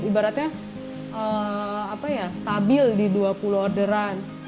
selain itu ada yang menurut saya yang lebih berharga